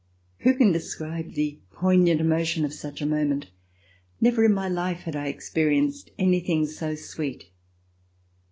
Who can describe the poignant emotion of such a moment! Never in my life had I experienced any thing so sweet.